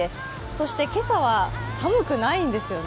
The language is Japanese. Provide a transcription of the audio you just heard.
そして今朝は寒くないんですよね。